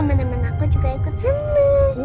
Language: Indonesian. temen temen aku juga ikut seneng